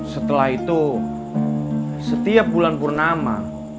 setelah itu setiap bulan purnama